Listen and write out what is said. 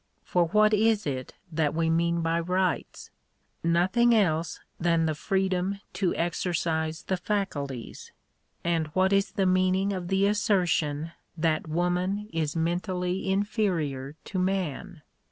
For what is it that we mean by rights ? Nothing else than freedom to exercise the faculties. And what is the meaning of the assertion that woman is mentally inferior to man